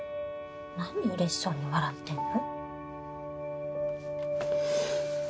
なにうれしそうに笑ってんの？